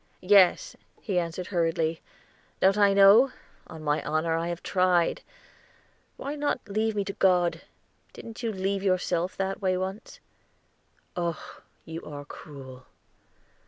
"Yes," he answered hurriedly, "don't I know? On my honor, I have tried; why not leave me to God? Didn't you leave yourself that way once?" "Oh, you are cruel."